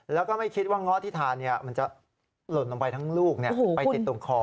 แล้วก็ไม่คิดว่าเงาะที่ทานมันจะหล่นลงไปทั้งลูกไปติดตรงคอ